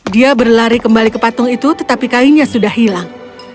dia berlari kembali ke patung itu tetapi kainnya sudah hilang